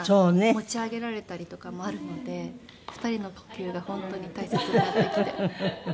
持ち上げられたりとかもあるので２人の呼吸が本当に大切になってきて。